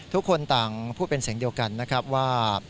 ทุกคนต่างพูดเป็นเสียงเดียวกันนะครับว่า